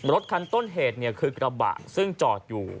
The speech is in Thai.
รถคันต้นเหตุคือกระบะซึ่งจอดอยู่